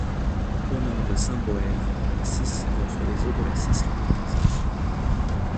Au nord de Saint-Bohaire, la Cisse reçoit les eaux de la Cisse landaise.